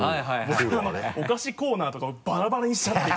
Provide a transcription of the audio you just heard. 僕お菓子コーナーとかをバラバラにしちゃって。